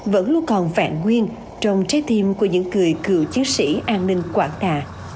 vẫn luôn còn vẹn nguyên trong trái tim của những người cựu chiến sĩ an ninh quảng đà